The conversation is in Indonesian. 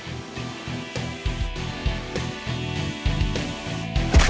jangan lupa bang eri